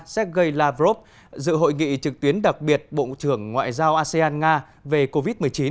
sergei lavrov dự hội nghị trực tuyến đặc biệt bộ trưởng ngoại giao asean nga về covid một mươi chín